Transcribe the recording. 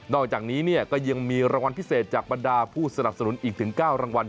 อกจากนี้ก็ยังมีรางวัลพิเศษจากบรรดาผู้สนับสนุนอีกถึง๙รางวัล